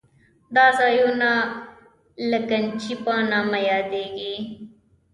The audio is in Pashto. دا ځایونه د لګنچې په نامه یادېږي.